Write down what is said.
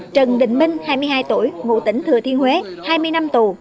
trần đình minh hai mươi hai tuổi ngụ tỉnh thừa thiên huế hai mươi năm tù